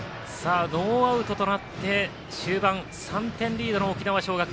ノーアウトとなって中盤、３点リードの沖縄尚学。